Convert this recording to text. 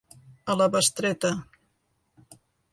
A la bestreta.